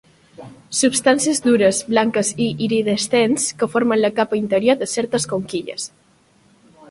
Substàncies dures, blanques i iridescents que formen la capa interior de certes conquilles.